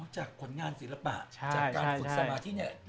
จากผลงานศิลปะจากการฝึกสมาธิเนี่ย